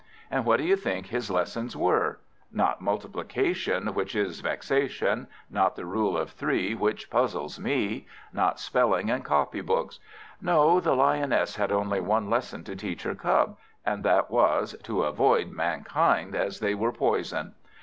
And what do you think his lessons were? Not multiplication which is vexation; not the Rule of Three which puzzles me; not spelling and copy books. No; the Lioness had only one lesson to teach her cub, and that was, to avoid mankind as if they were poison.